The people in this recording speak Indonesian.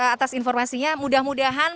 atas informasinya mudah mudahan